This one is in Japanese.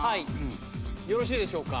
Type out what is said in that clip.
よろしいでしょうか。